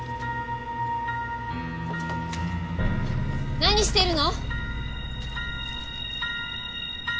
何してるの！？